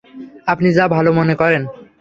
আপনি যা ভালো মনে করেন।